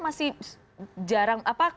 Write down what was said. masih jarang apa